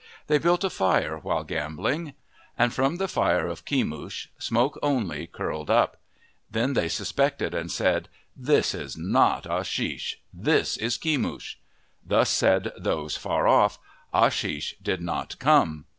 They built a fire while gambling. And from the fire of Kemush smoke only curled up. Then they suspected, and said, " This is not Ashish. This is Kemush," thus said those afar off, "Ashish did not come.